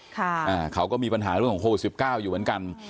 ค่ะอ่าเขาก็มีปัญหาเรื่องของโคลดสิบเก้าอยู่เหมือนกันอ่า